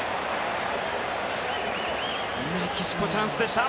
メキシコ、チャンスでした。